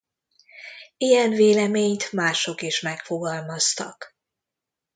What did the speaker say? Ilyen véleményt mások is megfogalmaztak.